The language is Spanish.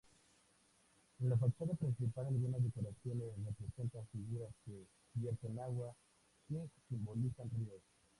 En la fachada principal algunas decoraciones representan figuras que vierten agua, que simbolizan ríos.